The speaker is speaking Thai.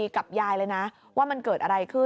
ใครดี